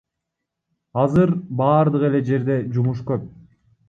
Азыр баардык эле жерде жумуш көп.